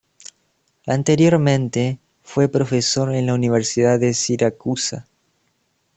Anteriormente, fue profesor en la Universidad de Siracusa.